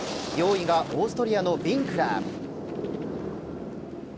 ４位がオーストリアのビンクラー。